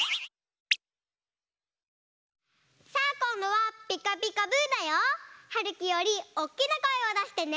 さあこんどは「ピカピカブ！」だよ。はるきよりおっきなこえをだしてね！